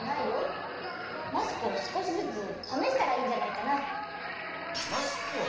マスクをすこしずつためしたらいいんじゃないかな？